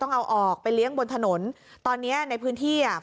เอาออกไปเลี้ยงบนถนนตอนเนี้ยในพื้นที่อ่ะ